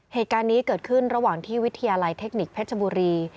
เหตุการณ์นี้เกิดขึ้นระหว่างที่วิทยาลัยเทคนิคเพชรบุรี